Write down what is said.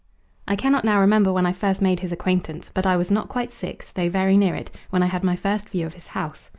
I cannot now remember when I first made his acquaintance, but I was not quite six, though very near it, when I had my first view of his house.